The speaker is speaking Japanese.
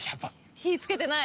火付けてない！